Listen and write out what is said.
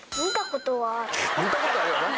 見たことあるよな。